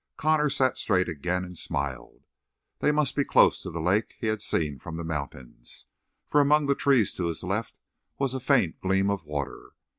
Connor sat straight again and smiled. They must be close to the lake he had seen from the mountain, for among the trees to his left was a faint gleam of water.